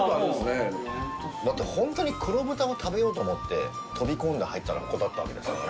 だって、本当に黒豚を食べようと思って飛び込んで入ったら、ここだったんですからね。